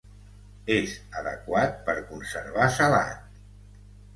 És adequat per conservar salat.